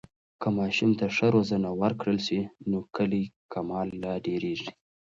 که ماشوم ته ښه روزنه ورکړل سي، نو کلی کمال لا ډېرېږي.